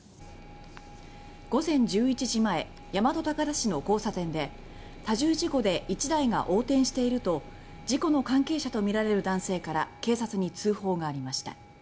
午前１１時前大和高田市の交差点で「多重事故で１台が横転している」と事故の関係者とみられる男性から警察に通報がありました。